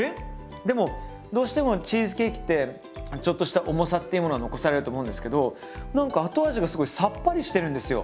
⁉でもどうしてもチーズケーキってちょっとした重さっていうものが残されると思うんですけど何か後味がすごいさっぱりしてるんですよ。